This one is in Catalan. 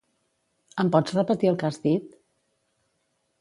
Em pots repetir el que has dit?